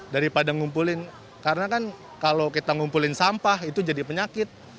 daripada ngumpulin karena kan kalau kita ngumpulin sampah itu jadi penyakit